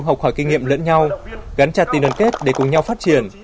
học hỏi kinh nghiệm lẫn nhau gắn chặt tình đoàn kết để cùng nhau phát triển